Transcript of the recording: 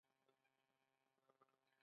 شتمن خلک د بل محتاج زړه نه ماتوي.